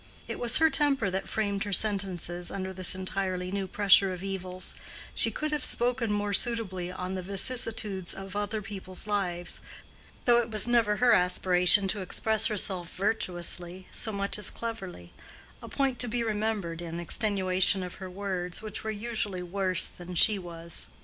It was her temper that framed her sentences under this entirely new pressure of evils: she could have spoken more suitably on the vicissitudes in other people's lives, though it was never her aspiration to express herself virtuously so much as cleverly—a point to be remembered in extenuation of her words, which were usually worse than she was.